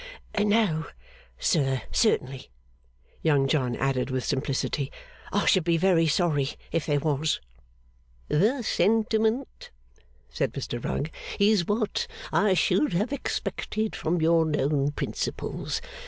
'No, sir, certainly,' Young John added with simplicity, 'I should be very sorry if there was.' 'The sentiment,' said Mr Rugg, 'is what I should have expected from your known principles.